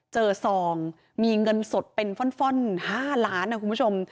ซองมีเงินสดเป็นฟ่อน๕ล้านนะคุณผู้ชม